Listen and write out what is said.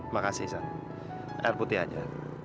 makasih air putih aja